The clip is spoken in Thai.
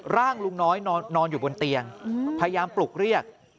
ร่างลุงน้อยนอนอยู่บนเตียงพยายามปลุกเรียก